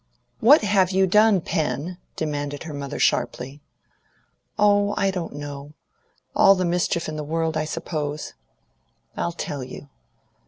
"What have you done, Pen?" demanded her mother sharply. "Oh, I don't know. All the mischief in the world, I suppose. I'll tell you.